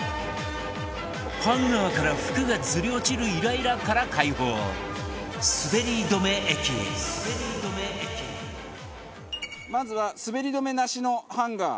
ハンガーから服がずれ落ちるイライラから解放まずはすべり止めなしのハンガー。